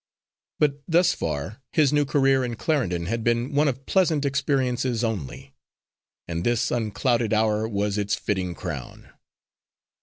But, thus far, his new career in Clarendon had been one of pleasant experiences only, and this unclouded hour was its fitting crown.